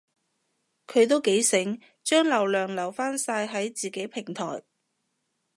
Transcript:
佢都幾醒，將流量留返晒喺自己平台